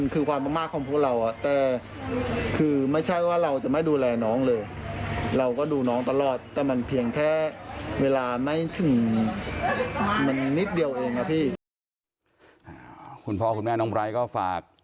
คุณพ่อคุณแม่น้องไร้ก็ฝาก